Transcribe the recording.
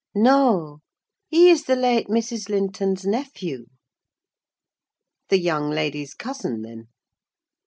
"No; he is the late Mrs. Linton's nephew." "The young lady's cousin, then?"